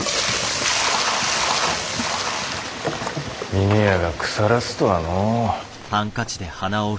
峰屋が腐らすとはのう。